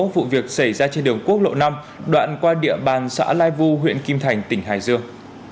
vụ việc xảy ra trên đường quốc lộ năm đoạn qua địa bàn xã lai vu huyện kim thành tỉnh hải dương